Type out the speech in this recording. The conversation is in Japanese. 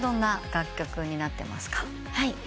はい。